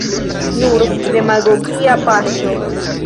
Nur demagogia paŝo.